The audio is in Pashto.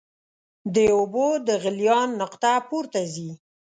د اوبو د غلیان نقطه پورته ځي.